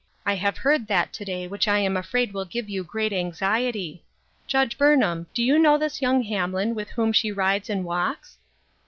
I have heard that to day which I am afraid will give you great anxiety. Judge Burnham, do you know this young Hamlin with whom she rides and walks